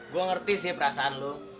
gue ngerti sih perasaan lo